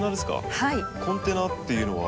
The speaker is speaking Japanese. コンテナっていうのは。